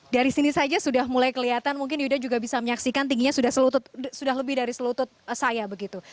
dari sini saja sudah mulai kelihatan mungkin yuda juga bisa menyaksikan tingginya sudah lebih dari selutut saya begitu